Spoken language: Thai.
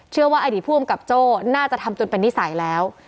ว่าอดีตผู้อำกับโจ้น่าจะทำจนเป็นนิสัยแล้ว